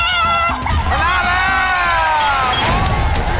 เย้